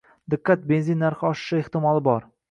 Diqqat, benzin narxi oshishi ehtimoli bor!